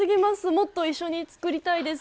もっと一緒に作りたいです。